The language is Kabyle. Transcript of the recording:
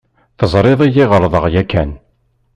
Teẓriḍ-iyi ɣelḍeɣ yakan?